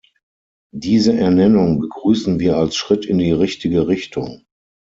Diese Ernennung begrüßen wir als Schritt in die richtige Richtung.